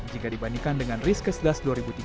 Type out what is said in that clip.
jika dibandingkan dengan riskes das dua ribu tiga belas